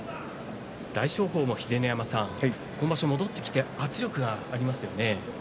大翔鵬も今場所戻ってきて圧力がありますよね。